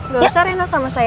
gak usah rena sama saya aja